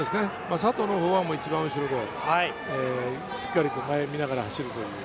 佐藤のほうは一番後ろでしっかりと前を見ながら走るという。